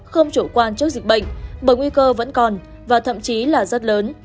không chủ quan trước dịch bệnh bởi nguy cơ vẫn còn và thậm chí là rất lớn